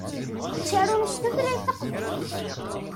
Ttarun s tutlayt taqbaylit.